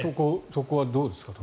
そこはどうですか？